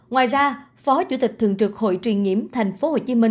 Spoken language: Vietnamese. ngoài ra phó chủ tịch thường trực hội truyền nhiễm tp hcm